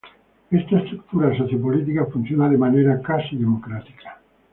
Esta estructura socio-política funciona de manera casi democrática.